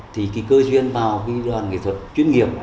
thì kỳ cơ duyên vào đoàn nghệ thuật chuyên nghiệp